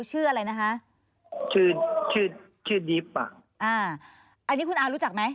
ชื่ออะไรนะคะชื่อชื่อชื่อดีปะอ่าอันนี้คุณอารู้จักไหม